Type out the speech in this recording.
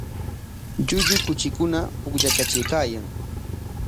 Llullu kuchikuna pukllaykatraykaayan.